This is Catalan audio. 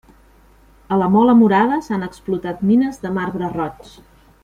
A la Mola Murada s'han explotat mines de marbre roig.